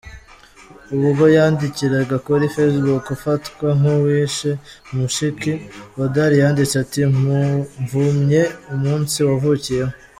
Ubwo yandikiraga kuri facebook ufatwa nk’uwishe mushiki, Hodari yanditse ati: “Mvumye umunsi wavukiyeho.